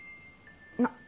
なっ。